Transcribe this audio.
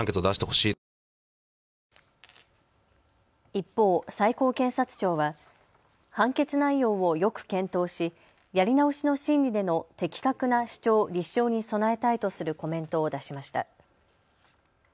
一方、最高検察庁は判決内容をよく検討しやり直しの審理での的確な主張・立証に備えたいとするコメントを出しました。